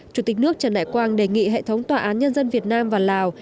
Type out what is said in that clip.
chủ tịch nước trần đại quang đề nghị hệ thống tòa án nhân dân việt nam và lào